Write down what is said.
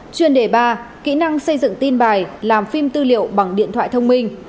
chuyên đề ba kỹ năng xây dựng tin bài làm phim tư liệu bằng điện thoại thông minh